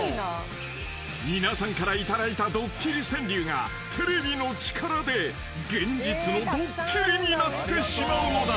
［皆さんから頂いたドッキリ川柳がテレビの力で現実のドッキリになってしまうのだ］